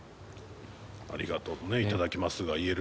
「ありがとう」と「頂きます」が言える限りのね。